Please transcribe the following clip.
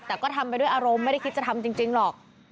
แต่ก็ทำไปด้วยอารมณ์ไม่ได้คิดจะทำจริงหรอก